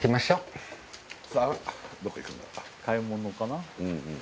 買い物かな？